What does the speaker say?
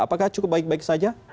apakah cukup baik baik saja